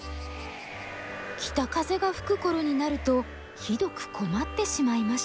北風が吹く頃になるとひどく困ってしまいました。